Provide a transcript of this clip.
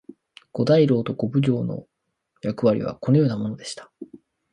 五大老と五奉行の役割はこのようなものでした。